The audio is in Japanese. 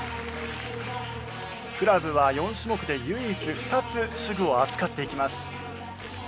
クラブは４種目で唯一２つ手具を扱っていきます。